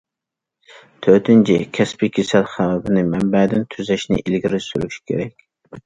تۆتىنچى، كەسپىي كېسەل خەۋپىنى مەنبەدىن تۈزەشنى ئىلگىرى سۈرۈش كېرەك.